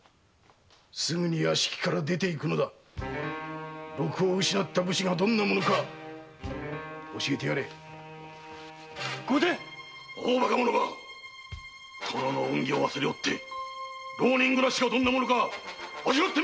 すぐに屋敷から出て行くのだ禄を失った武士がどんなものか教えてやれ御前この大バカ者が殿の恩義を忘れおって浪人暮らしがどんなものか味わってみろ